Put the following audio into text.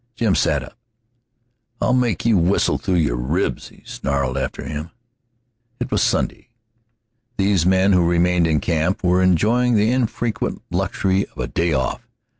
Jim sat up. "I'll make you whistle through your ribs," he snarled after him. It was Sunday. These men who remained in camp were enjoying the infrequent luxury of a day off.